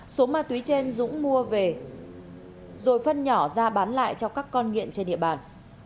số ma túy trên dũng mua về rồi phân nhỏ ra bán lại cho các con nghiện trên địa bàn